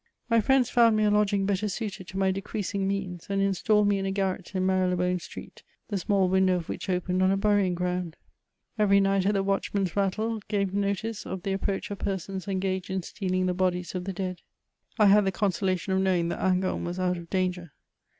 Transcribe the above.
My friends found me a lodging better suited to my decreasing means, and installed me in a garret in Mary le bone Street, the small window of which opened on a burying ground. Every night the watchman's rattle gave notice of the approach of persons engaged in stealing the bodies of the dead. I nad the consolation of knowing that Hingant was out of danger.